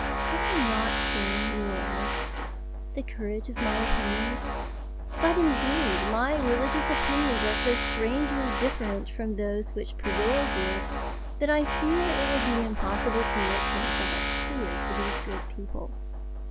"Have I not, then, you will ask, the courage of my opinions? But indeed my religious opinions are so strangely different from those which prevail here, that I fear it would be impossible to make my thoughts clear to these good people.